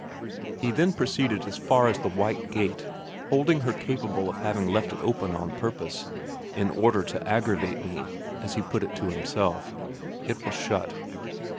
He then proceeded as far as the white gate, holding her capable of having left it open on purpose, ' In order to aggravate me,' as he put it to himself. It was shut.